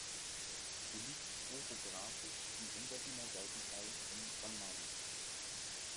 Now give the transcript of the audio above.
Sie liegt orografisch im Engadiner Seitental von Samnaun.